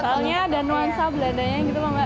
soalnya ada nuansa beladanya gitu loh